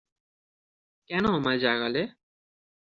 কেন আমায় জাগালে?